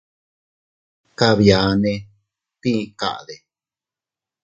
Kabianne, ¿tii kaʼde?.